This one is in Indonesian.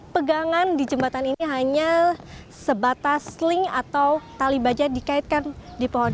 pegangan di jembatan ini hanya sebatas sling atau tali baja dikaitkan di pohon